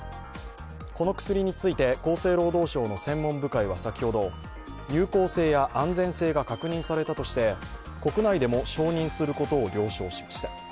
この薬について厚生労働省の専門部会は先ほど有効性や安全性が確認されたとして国内でも承認することを了承しました。